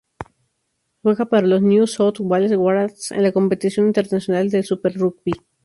Juega para los New South Wales Waratahs en la competición internacional del Super Rugby.